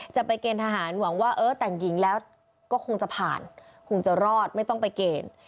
จะไปเกณฑหารหวังว่าเออแต่งหญิงแล้วก็คงจะผ่านคงจะรอดไม่ต้องไปเกณฑ์